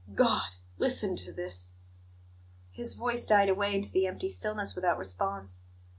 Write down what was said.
"God! Listen to this " His voice died away into the empty stillness without response.